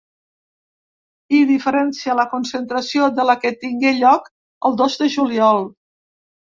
I diferencia la concentració de la que tingué lloc el dos de juliol.